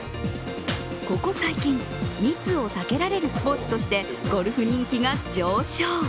ここ最近、密を避けられるスポーツとしてゴルフ人気が上昇。